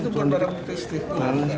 itu barang bukti steve